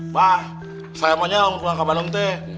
mbak saya maunya mau ke bandung teh